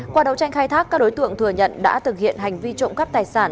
qua đấu tranh khai thác các đối tượng thừa nhận đã thực hiện hành vi trộm cắp tài sản